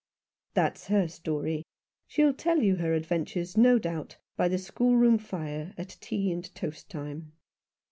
" That's her story. She'll tell you her adventures, no doubt, by the schoolroom fire, at tea and toast time."